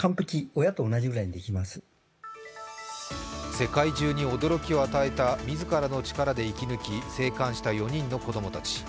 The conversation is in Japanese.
世界中に驚きを与えた自らの力で生き抜き、生還した４人の子供たち。